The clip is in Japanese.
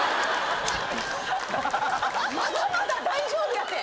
まだまだ大丈夫やて！